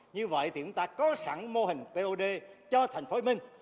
như vậy thì chúng ta có sẵn mô hình tod cho thành phố minh